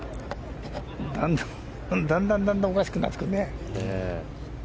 だんだんおかしくなってくるね。